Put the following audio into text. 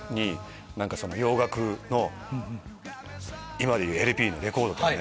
洋楽の今でいうＬＰのレコードとかで。